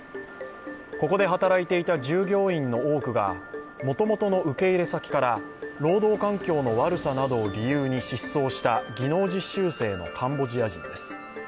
ここで働いていた従業員の多くがもともとの受け入れ先から労働環境の悪さなどを理由に失踪した技能実習生のカンボジア人です。